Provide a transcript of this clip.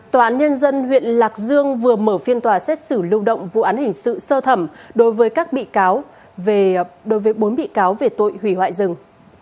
tòa án nhân dân huyện lạc dương vừa mở phiên tòa xét xử lưu động vụ án hình sự sơ thẩm đối với bốn bị cáo về tội hủy hoại rừng